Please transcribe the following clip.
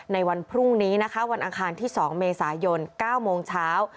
ในวันพรุ่งนี้นะคะวันอังคารที่๒เมษายน๙โมงเช้า